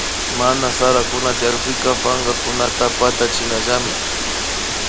Mana sarakuna tyakpika pankakunata patachinallami